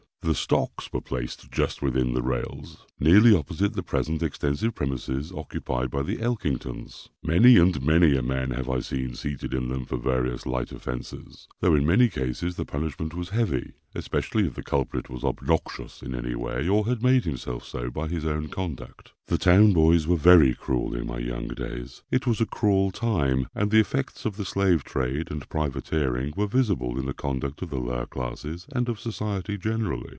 The stocks were placed just within the rails, nearly opposite the present extensive premises occupied by the Elkingtons. Many and many a man have I seen seated in them for various light offences, though in many cases the punishment was heavy, especially if the culprit was obnoxious in any way, or had made himself so by his own conduct. The town boys were very cruel in my young days. It was a cruel time, and the effects of the slave trade and privateering were visible in the conduct of the lower classes and of society generally.